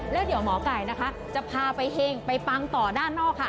แล้วเดี๋ยวหมอไก่นะคะจะพาไปเฮงไปปังต่อด้านนอกค่ะ